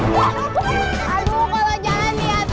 kalau jalan lihat